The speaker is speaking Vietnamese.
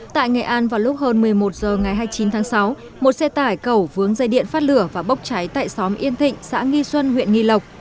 tại nghệ an vào lúc hơn một mươi một h ngày hai mươi chín tháng sáu một xe tải cầu vướng dây điện phát lửa và bốc cháy tại xóm yên thịnh xã nghi xuân huyện nghi lộc